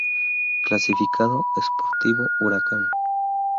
Clasificado: Sportivo Huracán.